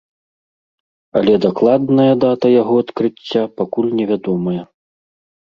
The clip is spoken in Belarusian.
Але дакладная дата яго адкрыцця пакуль невядомая.